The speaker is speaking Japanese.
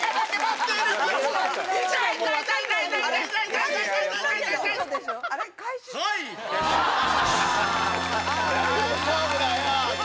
大丈夫だよ。